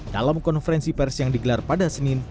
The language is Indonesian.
dalam konferensi pers yang digelar pada senin